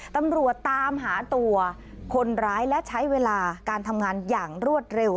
ตำรวจตามหาตัวคนร้ายและใช้เวลาการทำงานอย่างรวดเร็ว